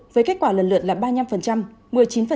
với kết quả lần lượn là ba mươi năm một mươi chín và ba mươi bảy